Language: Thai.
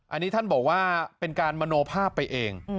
อันนี้ท่านบอกว่าเป็นการมโนภาพไปเอง